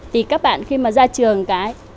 thì các bạn khi mà ra trường cái